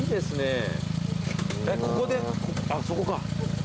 えっここであっそこか。